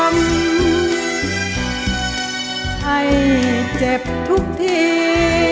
ให้เจ็บทุกที